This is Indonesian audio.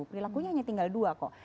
perilakunya hanya tinggal dua kok